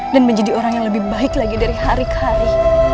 dan menjadi orang yang lebih baik lagi dari hari ke hari